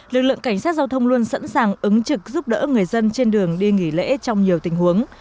lực lượng cảnh sát giao thông luôn sẵn sàng ứng trực giúp đỡ người dân trên đường đi nghỉ lễ trong nhiều tình huống